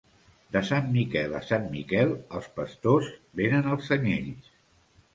De sant Miquel a sant Miquel els pastors venen els anyells.